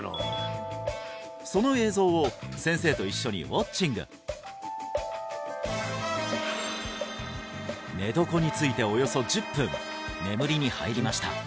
その映像を先生と一緒にウォッチング寝床についておよそ１０分眠りに入りました